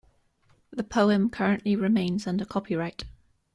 The poem currently remains under copyright.